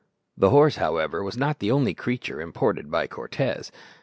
The horse, however, was not the only creature imported by Cortez.